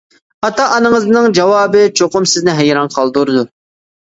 ئاتا-ئانىڭىزنىڭ جاۋابى چوقۇم سىزنى ھەيران قالدۇرىدۇ.